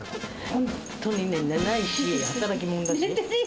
本当に寝ないし、働き者だしね。